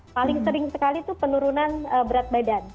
paling sering sekali itu penurunan berat badan